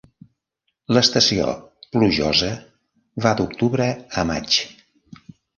L'estació plujosa va d'octubre a maig.